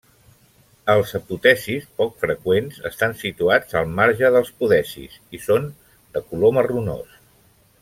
Els apotecis, poc freqüents, estan situats al marge dels podecis i són de color marronós.